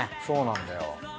そうなんだよ。